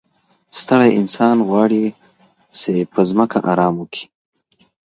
ستړی انسان غواړي چي په ځمکه ارام وکړي.